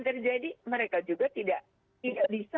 terjadi mereka juga tidak bisa